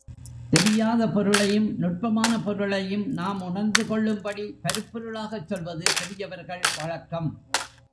தெரியாத பொருளையும், நுட்பமான பொருளையும் நாம் உணர்ந்து கொள்ளும்படி பருப்பொருளாகச் சொல்வது பெரியவர்கள் வழக்கம்.